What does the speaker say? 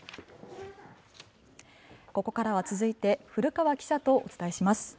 ここからは続いて古川記者とお伝えします。